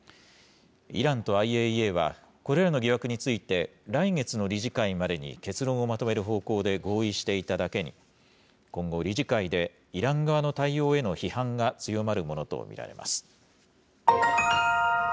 イランとＩＡＥＡはこれらの疑惑について、来月の理事会までに結論をまとめる方向で合意していただけに、今後、理事会でイラン側の対応への批判が強まるものと見られます。